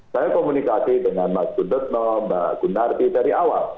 saya komunikasi dengan mas gundutno mbak gunardi dari awal